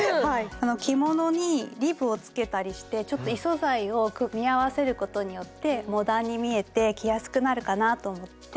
着物にリブをつけたりしてちょっと異素材を組み合わせることによってモダンに見えて着やすくなるかなと思って。